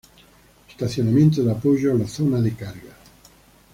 Estacionamiento de apoyo a la zona de carga.